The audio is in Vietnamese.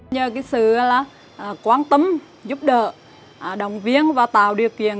nhờ cái sự quan tâm giúp đỡ đồng viên và tạo điều kiện